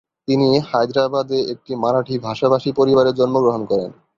তিনি হায়দ্রাবাদে একটি মারাঠি ভাষাভাষী পরিবারে জন্মগ্রহণ করেন।